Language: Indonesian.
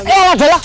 eh ada lah